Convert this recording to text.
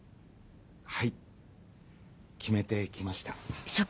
はい決めてきました。